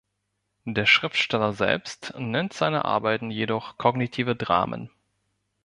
Der Schriftsteller selbst nennt seine Arbeiten jedoch „kognitive Dramen“.